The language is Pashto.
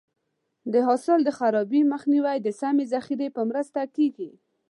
د حاصل د خرابي مخنیوی د سمې ذخیرې په مرسته کېږي.